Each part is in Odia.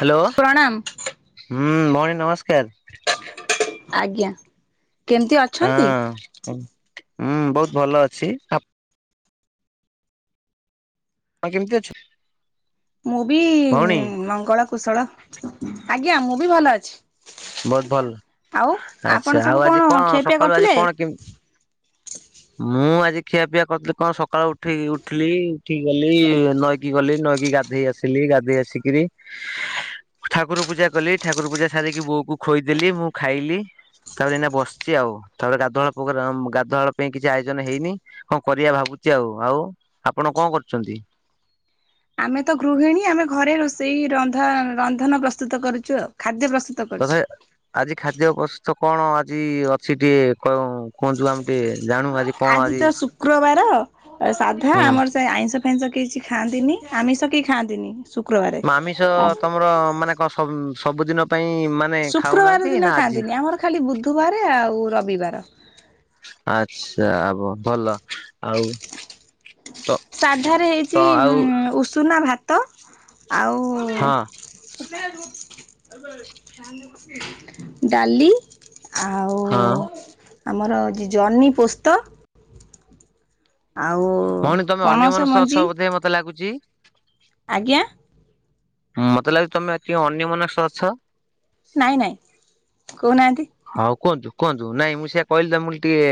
ହାଲୋ ପ୍ରଣାମ ହୁଁ ଭଉଣୀ ନମସ୍କାର୍। ଆଜ୍ଞା। କେମିତି ଅଛନ୍ତି? ହଁ ହୁଁ ବହୁତ ଭଲ ଅଛି ଆପ ଆପଣ କେମିତି ଅଛ। ମୁଁ ବି ଭଉଣୀ ମଙ୍ଗଳକୁଶଳ ଆଜ୍ଞା ମୁଁ ବି ଭଲ ଅଛି। ବହୁତ ଭଲ ଆଉ ଆପଣ ଆଚ୍ଛା ସବୁ ଆଉ କଣ ଆଜିକଣ ଖିଆପିଆ ସକାଳୁ କରିଥିଲେ? ଆଜିକଣ କେମତି ମୁଁ ଆଜି ଖିଆ ପିଆ କରିଥିଲି। କଣ ସକାଳୁ ଉଠି ଉଠିଲି ଉଠିକି ଗଲି ନଈକି ଗଲି ନଈକି ଗାଧେଇ ଆସିଲି। ଗାଧୋଇ ଆସିକରି ଠାକୁର ପୂଜା କଲି ଠାକୁର ପୂଜା ସାରିକି ବୋଉକୁ ପୁଅକୁ ଖୋଇଦେଲି ମୁଁ ଖାଇଲି। ତାପରେ ଏଇନା ବସିଚି ଆଉ ତାପରେ ଗାଧୁଆଳ ଗାଧୁଆଳ ପାଇଁ କିଛି ଆୟୋଜନ ହେଇନି କଣ କରିବା ଭାବୁଚି। ବସିଚି ଆଉ ଆଉ ଆପଣ କଣ କରୁଚନ୍ତି। [inaudible] ଆମେ ତ ଗୃହିଣୀ ଆମେ ଘରେ ରୋଷେଇ ରନ୍ଧା ରନ୍ଧନ ପ୍ରସ୍ତୁତ କରୁଛୁ ଖାଦ୍ୟ ପ୍ରସ୍ତୁ ତଥା ଆଜି ଖା ଖାଦ୍ୟ ପ୍ରସ୍ତୁତ କଣ ଆଜି ଅଛି ଟିକେ କହି କୁହନ୍ତୁ ଆମେ ଟିକେ ଆଜି ତ ଶୁକ୍ରବାର ତ ସାଧା ହୁଁ ଆମର ସେ ଆଇିଷ ଫାଇଁଷ କିଛି ଖାଆନ୍ତିନି ଆମିଷ କେ ଖାଆନ୍ତିନି। ଶୁକ୍ରବାରେ। ଆମିଷ ଆ ତମର ମାନେ କଣ ସ ସବୁଦିନ ପାଇଁ ମାନେ ଶୁକ୍ରବାର ଖାଉନାହାନ୍ତି ଦିନ ନା ଆଜି? ଖାଆନ୍ତିନି। ଆମର ଖାଲି ବୁଧବାର ଆଉ ରବିବାର। ଆଚଛା ହବ ଭଲ ଆଉ ତ ସାଧାରେ ତ ହେଇଚି ଆଉ ଉ ଉଷୁନା ଭାତ। ହଁ। ଆଉ ଡାଲି। ଆଉ ହଁ। ଆମର ଯେ ଜହ୍ନି ପୋସ୍ତ ଆଉ ଭଉଣୀ ତମେ ଅନ୍ୟ ପଣସ ମନଷ ମଞ୍ଜି ଅଛ ବୋଧେ ମତେ ଲାଗୁଚି। ଆଜ୍ଞା। ମତେ ଲାଗଚି ତମେ ଆଜି ଅନ୍ୟମନସ୍କ ଅଛ। ନାଇଁ ନାଇଁ କହୁନାହାନ୍ତି। ହଁ କୁହନ୍ତୁ କୁହନ୍ତୁ ନାଇଁ ମୁଁ ସେଆ କହିଲି ତ ମୁ ଟିକେ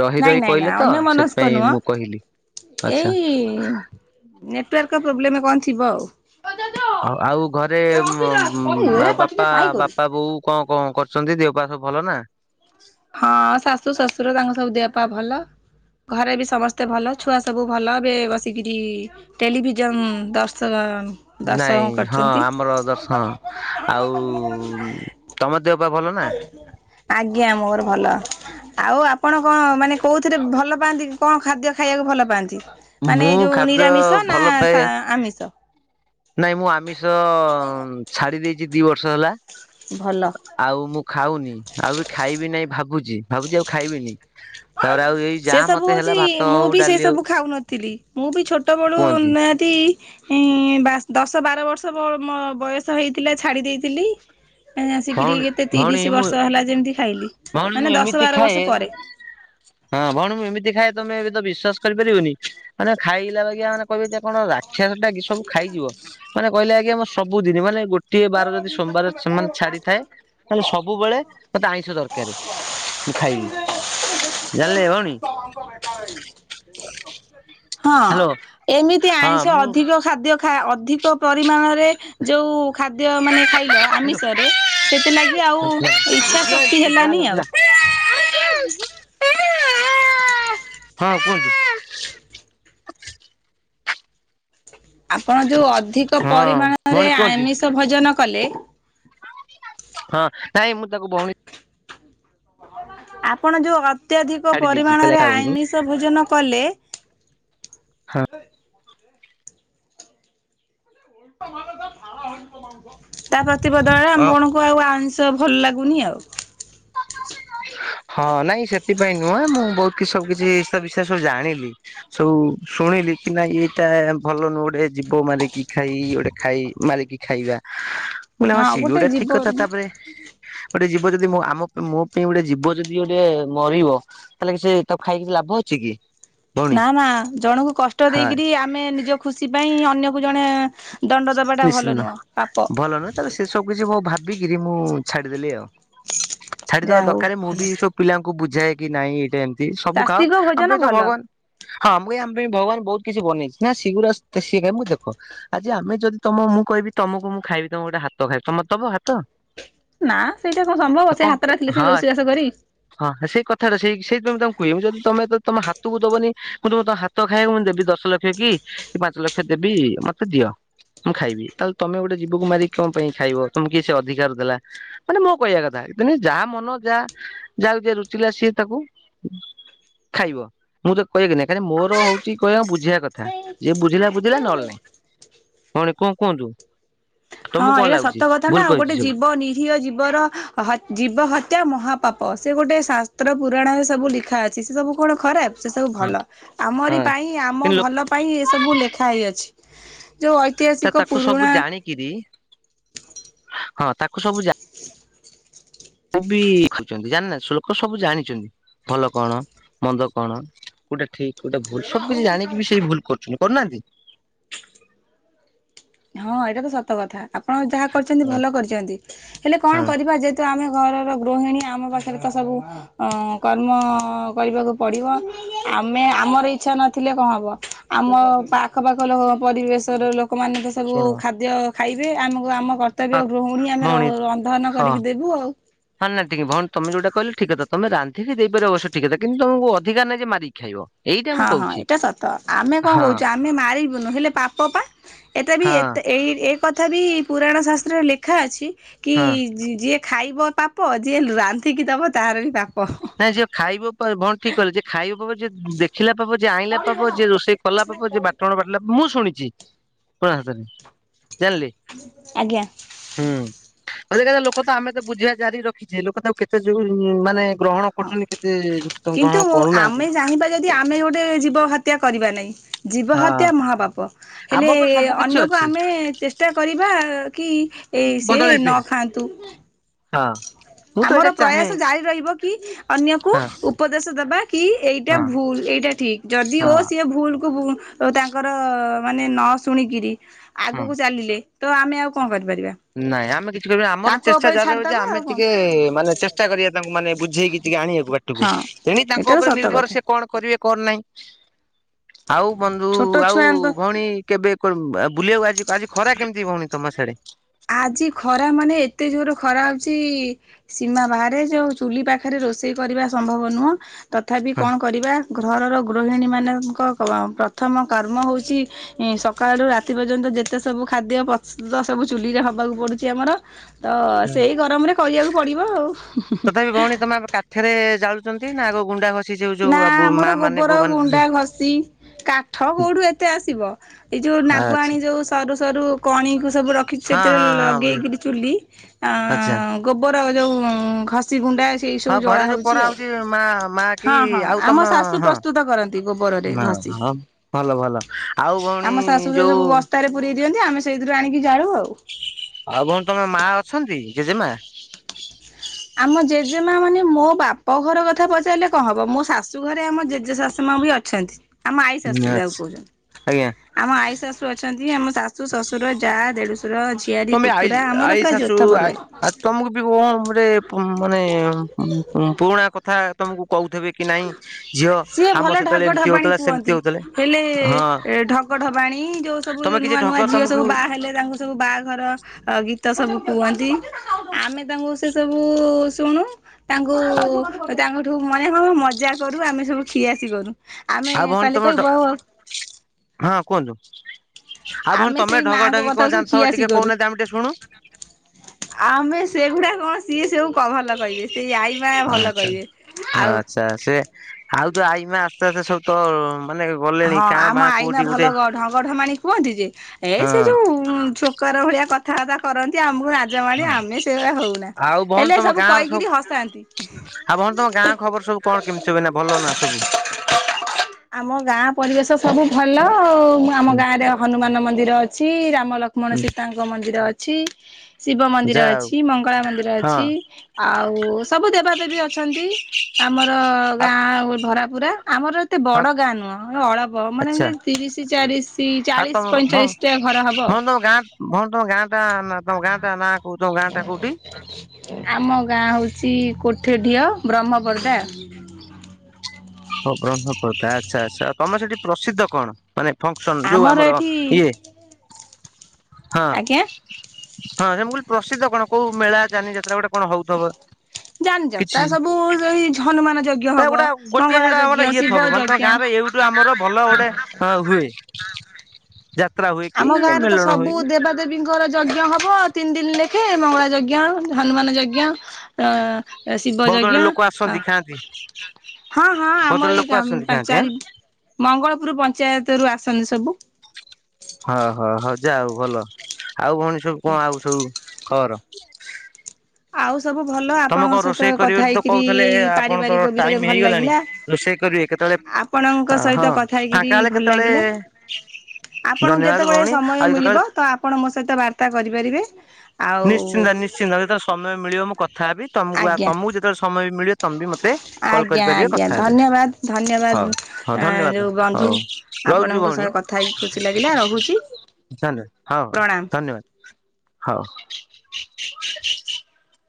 ରହି ନାଇଁ ରହି ନାଇଁ କହିଲେ ନାଇଁ ତ ଅନ୍ୟ ମନସ୍କ ସେଥିପାଇଁ ନୁହଁ। ମୁଁ କହିଲି ଆଚ୍ଛା। ଏଇ ନେଟୱର୍କ ପ୍ରବଲେମ କଣ ଥିବ ଆଉ। ଆ ଆଉ ଘରେ ଆଉ ଏଇଟା ପଟିଟା ବାପା କାଇଁ କରୁଛୁ ବାପା ବୋଉ କଣ କଣ କରୁଛନ୍ତି ଦେ ବାସ ଭଲ ନା। ପାପା ଭଲ। ଘରେ ବି ସମସ୍ତେ ଭଲ ଛୁଆ ସବୁ ଭଲ ଏବେ ବସିକିରି ଟେଲିଭିଜନ ଦର୍ଶକ ନାଇଁ ହଁ ଆମର ଦର୍ଶ ହଁ ଆଉ ତମ ଦେହ ପା ଭଲ ନା? ଆଜ୍ଞା ମୋର ଭଲ ଆଉ ଆପଣ କଣ ମାନେ କଉଁଥିରେ ଭଲ ପାଆନ୍ତି କଣ ଖାଦ୍ୟ ଖାଇବାକୁ ଭଲ ପାଆନ୍ତି। ମାନେ ମୁଁ ଏଇ ଯୋଉ ଖାଦ୍ୟ ନିରାମିଷ ନା ଭଲ ପାଏ ଶା ଆମିଷ। ନାଇଁ ମୁଁ ଆମିଷ ଛାଡି ଦେଇଛି ଦି ବର୍ଷ ହେଲା। ଭଲ। ଆଉ ମୁଁ ଖାଉନି ଆଉ ବି ଖାଇବି ନାଇଁ ଭାବୁଚି ଭାବୁଚି ଆଉ ଖାଇବିନି। ତାରେ ଆଉ ଏଇ ସେ ଯାହା ସବୁ ମତେ ହେଲା ହଉଚି ଭାତ ମୁଁ ହଉ ବି ସେ ଡାଲି ହଉ ସବୁ ଖାଉନଥିଲି ମୁଁ ବି ଛୋଟ ବେଳୁ କୁହନ୍ତି ନିହାତି ଏଁ ଦଶ ବାର ବର୍ଷ ମୋ ବୟସ ହେଇଥିଲା ଛାଡି ଦେଇଥିଲି। ଏ ଆ ଶିକରି ଭଉଣୀ କେତେ ଭଉଣୀ ତିରିଶ ମୁଁ ବର୍ଷ ହେଲା ଯେମିତି ଖାଇଲି ଭଉଣୀ ମୁଁ ମାନେ ଦଶ ଏମିତି ବାର ଖାଏ ବର୍ଷ ପରେ। [inaudible] ହଁ ଭଉଣୀ ମୁଁ ଏମିତି ଖାଏ ତମେ ଏବେ ତ ବିଶ୍ବସ କରିପାରିବନି ମାନେ ଖାଇଲା ବାକି ମାନେ କହିବେ ଯେ କଣ ରାକ୍ଷସ ଟା କି ସବୁ ଖାଇଯିବ ମାନେ କହିଲେ ଆଜ୍ଞା ଆମ ସବୁଦିନ ମାନେ ଗୋଟଏ ବାର ଯଦି ସୋମବାର ମାନେ ଛାଡିଥାଏ ତାହେଲେ ସବୁବେଳେ ମତେ ଆଇଁଷ ଦରକାର ମୁଁ ଖାଇବି। ଜାଣିଲେ ଭଉଣୀ [inaudible] ହଁ ହ୍ୟାଲୋ। ଏମିତି ହଁ ଆଇଁଷ ମୁଁ ଅଧିକ ଖାଦ୍ୟ ତ ଅଧିକ ପରିମାଣରେ ଯେଉଁ ଖାଦ୍ୟ ମାନେ ଖାଇଲ ହଁ ଆମିଷରେ ସେଥିଲାଗି ଆଉ ଇଚଛା ଶକ୍ତି ହେଲାନି ଆଉ କୁହନ୍ତୁ [inaudible] ହଁ କୁହନ୍ତୁ। ଆପଣ ଯୋଉ ଅଧିକ ଭଉଣୀ ପରିମାଣରେ କୁହନ୍ତୁ ଆମିଷ ଭୋଜନ କଲେ। ହଁ ନାଇଁ ମୁଁ ତାକୁ ଭଉଣୀ ଆପଣ ଯୋଉ ଅତ୍ୟଧିକ ଛାଡି ଦେଇଛି କହିଲା ପରିମାଣରେ ଖାଉନି ଆଇମିଷ ଭୋଜନ କଲେ ହଁ। ତା ପ୍ରତି ବଦଳରେ ଆମେ ମାନଙ୍କୁ ଆଉ ଆ ତ ଭଲ ଲାଗୁନି ଆଉ। ହଁ ନାଇଁ ସେଥିପାଇଁ ନୁହଁ ମୁଁ ବହୁତ କିଛି ସବୁ କିଛି ତା ବିଷୟରେ ସବୁ ଜାଣିଲି ସବୁ ଶୁଣିଲି କି ନାଇଁ ଏଇଟା ଭଲ ନୁହଁ ଗୋଟେ ଯିବ ମାରିକି ଖାଇ ଗୋଟେ ଖାଇ ମାରିକି ଖାଇବା। ବୋଇଲେ ହଁ ସିଏବି ଗୋଟେ ଠିକ କଥା ତାପରେ ଗୋଟେ ଯିବ ଯଦି ମୁଁ ଆମ ମୋ ପାଇଁ ଗୋଟେ ଜୀବ ଯଦି ଗୋଟେ ମରିବ ତାହେଲେ କି ସେ ତାକୁ ଖାଇକି ଲାଭ ଅଛି କି? ଭଉଣୀ ନା ନା ଜଣଙ୍କୁ କଷ୍ଟ ହଁ ଦେଇକିରି ଆମେ ନିଜ ଖୁସି ପାଇଁ ଅନ୍ୟକୁ ଜଣେ ଦଣ୍ଡ ଦବାଟା ଭଲ ନିଶ୍ଚିନ୍ତ ନୁହଁ ପାପ ଭଲ ନୁହେଁ ତା ପରେ ସେ ସବୁ କିଛି ମୁଁ ଭାବିକିରି ମୁଁ ଛାଡିଦେଲି ଆଉ ଛାଡିଦବା ଯାହା ହଉ ଦରକାର ମୁଁ ଭଲ। ବି ସବୁ ପିଲାଙ୍କୁ ବୁଝାଏ କି ନାଇଁ ଏଇଟା ଏମ ଏଇ ସବୁ ଖାଅ ଶାସ୍ତିକ ଆମ ଭୋଜନ ପାଇଁ ତ ଭଲ। ଭଗବାନ ହଁ ମୁଁ ଏଇ ଆମ ପାଇଁ ଭଗବାନ ବହୁତ କିଛି ବନେଇଚି ନା ସେଗୁରା ସିଏ ଖାଇ ମୁ ଦେଖ ଯେ ଆମେ ଯଦି ତମ ମୁଁ କହିବି ତମକୁ ମୁଁ ଖାଇବି ତମ ଗୋଟେ ହାତ ଖାଇବି ତମେ ମତେ ଦବ ହାତ? ନା ସେଇଟା କଣ ସମ୍ଭବ ସେ କଣ ହାତଟା ଥିଲେ ସିନା ହଁ ରୋଷେଇ ବାସ କରିବି। ହଁ ସେଇ କଥାରା ସେଇ ସେଇ ଯୋଉ ତାଙ୍କୁ କୁହେ ଯଦି ତମେ ତମ ହାତକୁ ଦବନି ମୁଁ ତମ ହାତ ଖାଇବାକୁ ମୁଁ ଦେବି ଦଶ ଲକ୍ଷ କି ପାଞ୍ଚ ଲକ୍ଷ ଦେବ ବି ମୋତେ ଦିଅ। ମୁଁ ଖାଇବି ତାହେଲେ ତମେ ଗୋଟେ ଜୀବକୁ ମାରି କଣ ପାଇଁ ଖାଇବ? ତମେ କି ସେ ଅଧିକାର ଦେଲା ମାନେ ମୋ କହିବା କ ଯା ଯାହା ମନ ଯାହା ଯାହାକୁ ଯିଏ ରୁଚିଲା ସିଏ ତାକୁ ଖାଇବ ମୁଁ ତ କହିବାକି ନାଇଁ ମୋର ହଉଛି କହିବା ବୁଝେଇବା କଥା ଯିଏ ବୁଝିଲା ବୁଝିଲା ନହେଲେ ନାଇଁ। [unintelligible] ଭଉଣୀ କଣ କୁହନ୍ତୁ। ହଁ ତମକୁ କଣ ଏଇଟା ଲାଗୁଛି ସତ କଥା ଭୁଲ ନା ଆଉ କହିଛି ଗୋଟେ ସବୁ? ଜୀବ ନିରୀହ ଜୀବର ହ ଜୀବ ହ ତ୍ୟା ମହାପାପ ସେ ଗୋଟେ ଶାସ୍ତ୍ର ପୁରାଣରେ ସବୁ ଲେଖା ଅଛି ସେ ସବୁ କଣ ଖରାପ। ସେ ସବୁ ହଁ ଭଲ ଆମରି ହଁ ପାଇଁ ଆମ କିନ୍ତୁ ଭଲ ପାଇଁ ଏ ସବୁ ଲେଖା ହେଇଅଛି। ଯୋଉ ଲୋକ ଐତିହାସିକ ତାକୁ ସବୁ ପୁରୁଣା ଜାଣିକିରି ହଁ ତାକୁ ସବୁ ଯା କୁବି ଖାଉଛନ୍ତି ଜାଣନାହାନ୍ତି। ଲୋକ ସବୁ ଜାଣିଛନ୍ତି ଭଲ କଣ ମନ୍ଦ କଣ ଗୋଟେ- ଠିକ ଗୋଟେ ଭୁଲ ସବୁ କିଛି ଜାଣିକି ବି ସେଇ ଭୁଲ କରୁଛନ୍ତି କରୁନାହାନ୍ତି। ହଁ ଏଇଟା ତ ସତ କଥା ଆପଣ ଯାହା କରିଛନ୍ତି ହଁ ଭଲ କରିଛନ୍ତି ହେଲେ କଣ ହଁ କରିବା ଯେହେତୁ ଆମେ ଘରର ଗୃହିଣୀ ଆମ ପାଖରେ ତ ସବୁ ଅ କର୍ମ କରିବାକୁ ପଡିବ ଆମେ ଆମର ଇଚ୍ଛା ନଥିଲେ କଣ ହବ ଆମ ପାଖ ପାାଖ ପରିବେଶର ଲୋକମାନେ ତ ସବୁ ଶୁଣ ଖାଦ୍ୟ ଖାଇବେ ଆମକୁ ଆମ କର୍ତ୍ତବ୍ୟ ହଁ ଗୃହଣୀ ଆମେ ଭଉଣୀ ଉମ ର-ରନ୍ଧନ ହଁ କରିକି ଦେବୁ ଆଉ ହଁ ନା ଟିକେ ଭଉଣୀ ତମେ ଯୋଉଟା କହିଲ ଠିକ କଥା ତମେ ରାନ୍ଧିକି ଦେଇପାର ଆବଶ୍ୟ ଠିକ କଥା କିନ୍ତୁ ତମକୁ ଅଧିକାର ନାଇଁ ଯେ ମାରିକି ଖାଇବ। ଏଇଟା ହଁ ମୁଁ ହଁ କହୁଛି ଏଇଟା ସତ ଆମେ କଣ ହଁ କହୁଛୁ ଆମେ ମାରିବୁନୁ ହେଲେ ପାପ ପା ଏତେ ବି ହଁ ଏତେ ଏଇ ଏ କଥା ବି ପୁରାଣ ଶାସ୍ତ୍ରରେ ଲେଖା ଅଛି କି ହଁ। ଯି-ଯିଏ ଖାଇବ ପାପ ଯିଏ ରାନ୍ଧିକି ଦବ ତାର ବି ପାପ। ନାଇଁ ଯିଏ ଖାଇବ କଣ ଠିକ୍ କହିଲେ ଯିଏ ଖାଇବ ଯିଏ ଦେଖିଲା ପାପ ଯିଏ ଆଇଲା ପାପ ଯେ ରୋଷେଇ କଲା ପାପ ଯେ ବାଟଣ ବାଟିଲା ମୁଁ ଶୁଣିଛି [unintelligible] ଜାଣିଲେ। ଆଜ୍ଞା ଉଁ ଆଜିକାଲି ଲୋକ ତ ଆମେ ତ ବୁଝିବା- ଜାରି ରଖିଛେ ଲୋକ ତାକୁ କେତେ ଯୋଉ ଉମ ମାନେ ଗ୍ରହଣ ହଁ କରୁଛନ୍ତି କେତେ ଲୋକ ତ କିନ୍ତୁ ଗ୍ରହଣ ଆମେ କରୁନାହାନ୍ତି। ଚାହିଁବା ଯଦି ହଁ ଜୀବହତ୍ୟା ମହାପାପ ଆମ ହେଲେ ଉପରେ ସବୁ କିଛି ଅନ୍ୟକୁ ଅଛି ଆମେ ଚେଷ୍ଟା କରିବା କି- ଏଇ ସିଏ ବଦଳେଇବା ନ ପାଇଁ ଖାଆନ୍ତୁ। ହଁ ମୁଁ ତ ଆମର ଏଇଟା ଚାହେଁ ପ୍ରୟାସ ଜାରି ରହିବ କି ଅନ୍ୟକୁ ହଁ ଉପଦେଶ ଦବା କି ଏଇଟା ହଁ ଭୁଲ ଏଇ- ସେଇଟା ଠିକ୍ ଯଦି ଓ ହଁ ସିଏ ଭୁଲ କୁ- ଓ ତାଙ୍କର ମାନେ ନ ଶୁଣିକିରି ହଁ। ଆଗକୁ ଚାଲିଲେ ତ ଆମେ ଆଉ କଣ କର ନାଇଁ ଆମେ କିଛି ଉମ ଆମର ଚେଷ୍ଟା ଉପରେ ଜାରିରହିବ ଯେ ଛାଡିଦବା ଆମେ ଆଉ କଣ ଟିକେ ମାନେ ଚେଷ୍ଟା କରିବା ତାଙ୍କୁ ମାନେ ବୁଝେଇକି ଟିକେ ଆଣିବାକୁ ବାଟକୁ। ହଁ ଦେଇ ତାଙ୍କ ଏଇଟା ତ ଉପରେ ସତ ନିର୍ଭର କଥା ସେ କଣ କରିବେ। କଣ ନାହିଁ ଆଉ ବନ୍ଧୁ ଛୋଟ ଆଊ ଛୁଆଙ୍କ ଭଉଣୀ କେବେ। ବୁଲିବାକୁ ଆଜି ଆଜି ଖରା କେମିତି ଭଉଣୀ ତମ ସେଆଡେ? ଆଜି ଖରା ମାନେ ଏତେ ଜୋର ଖରା ହଉଛି ସୀମା ବାହାରେ ଯୋଉ ଚୁଲି ପାଖରେ ରୋଷେ- ରୋଷେଇ କରିବା ସମ୍ଭବ ନୁହଁ ତଥାପି ହଁ। କଣ କରିବା। ଘରର ଗୃହିଣୀମାନଙ୍କ ପ୍ରଥମ କାମ ହେଉଛି ସକାଳରୁ ରାତି ପର୍ଯ୍ୟନ୍ତ- ଯେତେ ସବୁ ଖାଦ୍ୟ ପ୍ରସ୍ତୁତ ସବୁ ଚୁଲିରେ ହବାକୁ ପଡୁଛି ଆମର। ତ ହଁ। ସେଇ ଗରମରେ କରିବାକୁ ପଡିବ ଆଉ ହୁଁ ହୁଁ ହା। ଛନ୍ତି ନାଗ ଗୁଣ୍ଡା। ଘଷି ଯୋଉ ନା ଯୋଉ ମା ଆମର ମାନେ ବୋଉ ଗୋବର ମାନେ ଗୁଣ୍ଡା ଘଷି। କାଠ କୋଉଠୁ ଏତେ ଆସିବ ଏଇ ଯୋଉ ଆଚ୍ଛା ନାଗୁଆଣୀ ଯୋଉ ସରୂ। ସରୁ କଣୀକି ସବୁ ରିଖିଛି ହଁ ସେଥିରେ ହଁ ହଁ ଲଗେଇ ବୁଝିଲି କି ଚୁଲି ଆଁ ଆଚ୍ଛା ଗୋବ - ଯୋଉ ଘସି ଗୁଣ୍ଡା ସେଇ ସବୁ ହଁ ଜଳା ଘରେ ଯୋଉ ହଉଛି ପରା ଆଉ। ମା ମା କି ହଁ ହଁ ଆଉ ତମ ଆମ ଶାଶୁ ହଁ ପ୍ରସ୍ତୁତ କରନ୍ତି ଗୋବରରେ ଘଷି। ହଁ ଭଲ ଭଲ ଆଉ ଭଉଣୀ ଆମ- ଶାଶୁ ସେ ଯୋଉ ସବୁ ବସ୍ତାରେ ପୁରଇ ଦିଅନ୍ତି ଆମେ ସେଇ- ଆଉ ଭଉଣି ତମ ମା ଅଛନ୍ତି ଜେଜେମା? ଆମ ଜେଜେ ମା ମାନେ ମୋ ବାପ ଘର କଥା ପଚାରିଲେ କଣ ହବ ମୋ ଶାଶୁ ଘରେ ଆମ ଜେଜେ ଶାଶୁ ମା- ବି ଅଛନ୍ତି ଆମ ଆଈ ଶାଶୁ ଆଚ୍ଛା ଯାହାକୁ କହୁଛନ୍ତି ଆଜ୍ଞା। ଆମ ଆଈ ଶାଶୁ ଅଛନ୍ତି। ନ୍ତି ଆମ ଶାଶୁ ଶ୍ୱଶୁର ଯାଆ ଦେଢ଼ଶୁର। ତମେ ଆଇ ଆଇ ଶାଶୁ ପରିବାର ତମକୁ ବି କମ୍ ରେ। ତୁ ମାନେ ପୁରୁଣା କଥା ତମକୁ- କହୁଥିବେ କି ନାଇଁ ଝିଅ ସିଏ ଭଲ ଆମ ଢଗ ସେତେବେଳେ ଏମିତି ଢବାଣୀ ହଉଥିଲା କୁହନ୍ତି। ସେମିତି ହଉଥିଲଲେ ହେଲେ ହଁ। ଢଗ ଢବାଣୀ ଯୋଉ ସବୁ ତମେ କିଛି ନୂଆ ନୂଆ ଢଗ ଝିଅ ତମକୁ ସବୁ ବାହା ହେଲେ ତାଙ୍କୁ ସବୁ ବାହା- ଘର ଗୀତ ସବୁ କୁହନ୍ତି ଆମେ ତାଙ୍କୁ ସେଏ ସବୁ ଶୁଣୁ। ତାଙ୍କୁ ତାଙ୍କଠୁ ମାନେ କଣ ମଜା କରୁ ଆମେ ସବୁ ଖୀଆସି କରୁ। ଆମେ ଆଉ ଭଉଣୀ କାଲି ତମ କହିବୁ ଉ- ହଁ କୁହନ୍ତୁ ଆଉ ଭଉଣୀ ଆମେ ତମେ ସେଇ ଢଗ ମାଆଙ୍କ ଢଗି କଥା କଣ ସବୁ ଜାଣିଥିବ ଛିଆସିି ଟିକେ କରୁ। କହୁନାହାନ୍ତି ଆମେ ଟିକେ ଶୁଣୁ। ଆମେ ସେଗୁଡା କଣ ସିଏ ସଵୁ। ଭଲ କହିବେ। ସେଇ ଆଈ ମା ଭଲ ଆଚ୍ଛା କହିବେ ଆଉ- ସେଏ ସବୁ ତ- ମାନେ ଗଲେଣି ହଁ କାଁ ଆମ ଭାଁ ଆଇମା କୋଉଠି ଭଲ ଗୋଟେ ଢଗ ଢମାଳି କୁହନ୍ତି ଯେ ଏ ସେ ହଁ ଯୋଉ ଛୋକର ଭଳିଆ କ- ଥାବାର୍ତ୍ତା କରନ୍ତି ଆମକୁ। ସବୁ ରାଜା ମାଡି ଆମେ ସେଇଭଳିଆ ହଉନା ଆଉ ଭଉଣୀ ହେଲେ ତମ ସବୁ ଗାଁର କହିକିରି ହସାନ୍ତି। ଆଉ ଭଉଣୀ ତମ ଗାଁ ଖବର ସବୁ କଣ କେମିତି ସବୁ ଭଲ ନା ସବୁ। [unintelligible] ଆମ। ଗାଁ ପରିବେଶ ସବୁ ଭଲ ଆଉ ଆମ ହୁଁ ଗାଁ ରେ ହନୁମାନ ମନ୍ଦିର ଅଛି। ରା - ରାମ ଲକ୍ଷ୍ମଣ ହୁଁ ସୀତାଙ୍କ ମନ୍ଦିର ଅଛି। ଶିବ ମନ୍ଦିର ଯାହା ଅଛି ମଙ୍ଗଳା ମନ୍ଦିର ହଉ ଅଛି ହଁ। ଆଉ ସବୁ ଦେବାଦେବୀ ଅଛନ୍ତି। ଆମର ଗାଁ ଭରାପୁରା ଆମର ଏତେ ବଡ଼ ଆଚ୍ଛା। ଗାଁ ନୁହଁ। ହଁ ଅଳପ ଅ ମାନେ ତିରିଶ, ଚାଳିଶି, ଆଉ ତମ ଭଉଣୀ ପଇଁଚାଳିଶଟା ଘର ହବ ତମ ଆଉ। ଗାଁ ଭଉଣୀ ତମ ଗାଁ ଟା ନାଁ ତମର ଗାଁ ଟା କଣ? ଆମ- ଗାଁ ହଉଛି କୋଠେଢିଅ ବ୍ରହ୍ମପର୍ଦ୍ଦା। ହଉ ବ୍ରହ୍ମପର୍ଦ୍ଦା ଆଚ୍ଛା ଆଚ୍ଛା ତମେ ସେଠି ପ୍ରସିଦ୍ଧ କଣ? ମାନେ- ଫଙ୍କସନ ଯୋଉ ଆମର ଇଏ ହଁ ଆଜ୍ଞା ହଁ ମୁଁ କହିଲି ପ୍ରସିଦ୍ଧ କଣ କୋଉ ମେଳା ଯାନି ଯାତ୍ରା ଗୋଟେ କଣ ହୋଉଥିବ। ଯାନୀ ଯାତ୍ରା ସବୁ ସେଇ ହନୁମାନ ଯଜ୍ଞ ନା ହବ ଗୋଟା ଗୋଟିଏ ମଙ୍ଗଳା ସେଟା ଆମର ଯଜ୍ଞ ଇଏ ଥବ ଶିବ ମାନେ ତମ ଯଜ୍ଞ ଗାଁରେ ଏଇଠୁ ଆମର ଭଲ ଗୋଟେ ହଁ ହୁଏ [inaudible] ଯାତ୍ରା ହୁଏ କି ଆମ ଗାଁ ରେ ତ ମେଲଣ ହୁଏ ସବୁ କି ଦେବା ଦେବୀଙ୍କର ଯଜ୍ଞ ହବ ତିନି ଦିନ ଲେଖେ ମଙ୍ଗଳା ଯଜ୍ଞ ହନୁମାନ ଯଜ୍ଞ ଅ ଶିବ ବହୁତ ଗୁଡେ ଯଜ୍ଞ ଲୋକ ଅ ଆସନ୍ତି ଖାଆନ୍ତି ହଁ ହଁ ବହୁତ ଗୁଡେ ଆମର ଏଇ ଲୋକ ଆସନ୍ତି ଗାଁ ଖାଆନ୍ତି ଆଁ ଚାରି ମଙ୍ଗଳପୁର ପଞ୍ଚାୟତ ରୁ ଆସନ୍ତିି ସବୁ। ହଁ ହଁ ହଁ ଯାହା ହୋଉ ଭଲ ଆଉ ଭଉଣୀ ସବୁ ଆଜ୍ଞା କଣ ଆଉ ସବୁ ଖବର? ଆଉ ସବୁ ଭଲ ତମେ ଆପଣଙ୍କ କଣ ସହିତ ରୋଷେଇ କରିବେ କଥା ବୋଲି ତ ହେଇକିରି କହୁଥିଲେ ଏଇ ଆପଣ ତ ପାରିବାରିକ ବିଷୟରେ ଟାଇମ ଭଲ ହେଇଗଲାଣି ଲାଗିଲା। ରୋଷେଇ କରିବେ କେତେବେଳେ ଆପଣଙ୍କ ହଁ ସହିତ କଥା ହେଇକିରି ଫାଙ୍କା ହେଲେ ଭଲ କେତେବେଳେ ଲାଗିଲା। ଆପଣ ଧନ୍ୟବାଦ ଯେତେବେଳେ ଭଉଣୀ ସମୟ ଆଉ କେତେବେଳେ ମିଳିବ ତ ଆପଣ ମୋ ସହିତ ବାର୍ତା କରିପାରିବେ ଆଉ ନିଶ୍ଚିନ୍ତ ନିଶ୍ଚିନ୍ତ ଯେତେବେଳେ ସମୟ ମିଳିବ ମୁଁ କଥା ହେବି ତମକୁ ଆଜ୍ଞା ତମକୁ ଯେତେବେଳେ ସମୟ ମିଳିବ ତମେ ବି ମତେ କଲ ଆଜ୍ଞା କରିପାରିବେ ଆଜ୍ଞା କଥା ହେବେ ଧନ୍ୟବାଦ ଧନ୍ୟବାଦ। ହୋଉ ହୋଉ ଧନ୍ୟବାଦ ଯୋଉ ବନ୍ଧୁ ହୋଉ। ଆପଣଙ୍କ ସହ କଥା ହେଇକି ଖୁସି ଲାଗିଲା ରହୁଚି। [unintelligible] ହୋଉ ଧନ୍ୟବାଦ ହୋଉ।